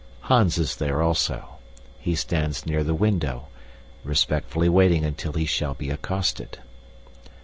Hans is there also. He stands near the window, respectfully waiting until he shall be accosted.